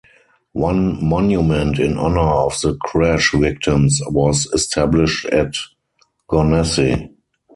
One monument in honour of the crash victims was established at Gonesse.